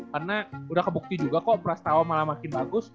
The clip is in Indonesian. karena udah kebukti juga kok prasatawa malah makin bagus